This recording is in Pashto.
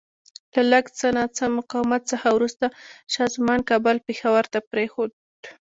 له لږ څه ناڅه مقاومت څخه وروسته شاه زمان کابل پېښور ته پرېښود.